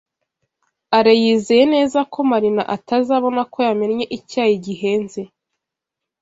Alain yizeye neza ko Marina atazabona ko yamennye icyayi gihenze.